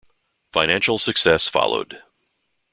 Financial success followed.